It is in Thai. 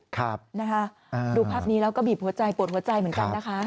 ครับนะคะดูภาพนี้แล้วก็บีบหัวใจปวดหัวใจเหมือนกันนะคะ